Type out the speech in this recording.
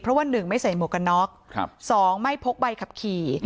เพราะว่าหนึ่งไม่ใส่หมวกนอกสองไม่พกใบขับขี่